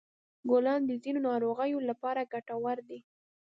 ګلان د ځینو ناروغیو لپاره ګټور دي.